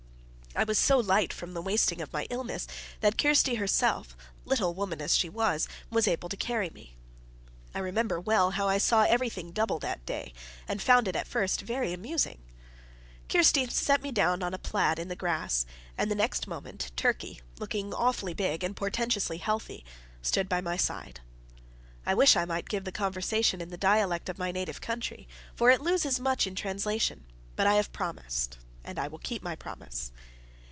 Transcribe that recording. I was so light from the wasting of my illness, that Kirsty herself, little woman as she was, was able to carry me. I remember well how I saw everything double that day, and found it at first very amusing. Kirsty set me down on a plaid in the grass, and the next moment, Turkey, looking awfully big, and portentously healthy, stood by my side. I wish I might give the conversation in the dialect of my native country, for it loses much in translation; but I have promised, and I will keep my promise.